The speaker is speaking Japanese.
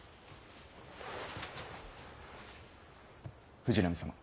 藤波様。